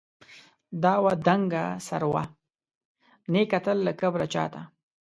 دا وه دنګه سروه، نې کتل له کبره چاته